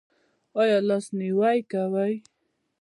ایا لاس نیوی کوئ؟